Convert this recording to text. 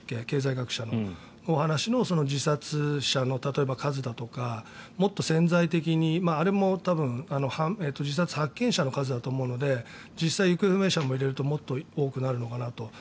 経済学者のお話の自殺者の数だとかもっと潜在的に、あれも多分自殺発見者の数だと思うので実際、行方不明者も入れるともっと多くなるのかなと。